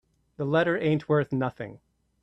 The letter ain't worth nothing.